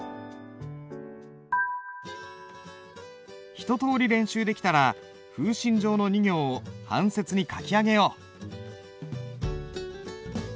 一とおり練習できたら「風信帖」の２行を半切に書き上げよう。